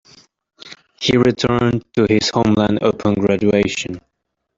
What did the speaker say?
He returned to his homeland upon graduation.